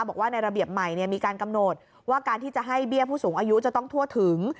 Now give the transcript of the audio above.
บอกว่าในระเบียบใหม่มีการกำหนดว่าการที่จะให้เบี้ยผู้สูงอายุจะต้องทั่วถึง